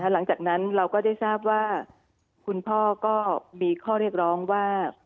หลังจากนั้นเราก็ได้ทราบว่าคุณพ่อก็มีข้อเรียกร้องว่า